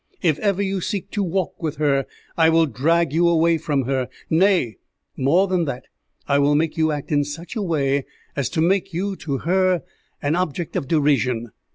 If ever you seek to walk with her, I will drag you away from her; nay, more than that, I will make you act in such a way as to make you, to her, an object of derision."